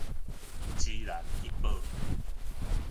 芝蘭一堡